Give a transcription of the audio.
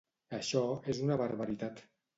Això és una barbaritat.